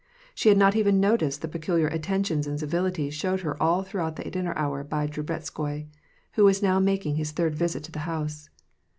She had not even noticed the peciiliar attentions and civilities showed her all through the dinner hour by Drubetskoi, who was now making his third visit to the house.